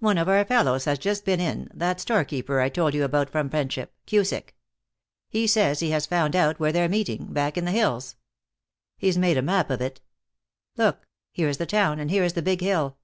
One of our fellows has just been in, that storekeeper I told you about from Friendship, Cusick. He says he has found out where they're meeting, back in the hills. He's made a map of it. Look, here's the town, and here's the big hill.